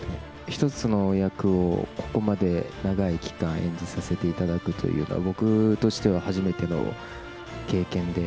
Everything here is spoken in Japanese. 一つの役をここまで長い期間、演じさせていただくというのは、僕としては初めての経験で、